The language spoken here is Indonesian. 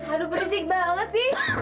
aduh pedesik banget sih